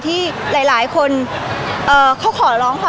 พี่ตอบได้แค่นี้จริงค่ะ